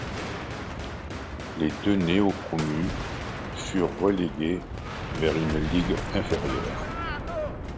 Les deux néo-promus furent relégués vers une ligue inférieure.